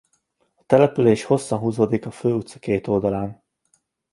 A település hosszan húzódik a Fő utca két oldalán.